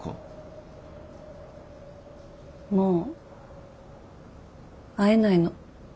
もう会えないの。